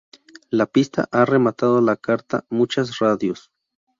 La pista ha rematado la carta muchas radios.